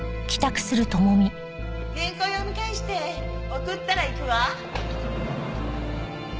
原稿を読み返して送ったら行くわ。